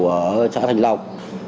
ở xã thành lộc